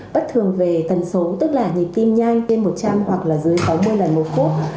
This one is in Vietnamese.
bất thường về tần số tức là nhịp tim nhanh trên một trăm linh hoặc là dưới sáu mươi lần một phút